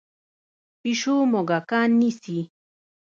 پیشو موږکان نیسي.